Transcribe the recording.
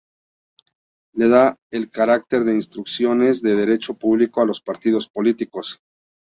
Le da el carácter de Instituciones de Derecho Público a los partidos políticos.